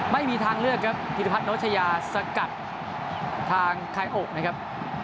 ไม่มีทางเลือกครับธิริพัฒนโชชยาสกัดทางคายอกนะครับ